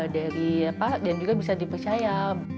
dari apa dan juga bisa dipercaya